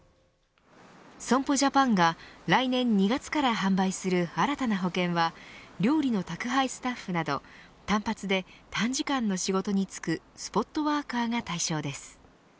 損保ジャパンが来年２月から販売する新たな保険は料理の宅配スタッフなど単発で短時間の仕事に就くスポットワーカーが対象です。